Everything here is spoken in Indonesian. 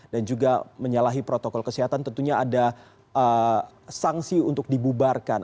dan juga menyalahi protokol kesehatan tentunya ada sanksi untuk dibubarkan